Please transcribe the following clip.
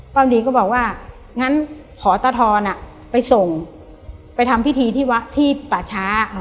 ป้าวันดีก็บอกว่างั้นขอตาทรไปส่งไปทำพิธีที่ป่าช้า